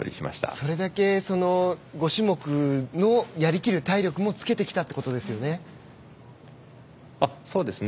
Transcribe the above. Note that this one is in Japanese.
それだけ５種目のやりきる体力もつけてきたそうですね。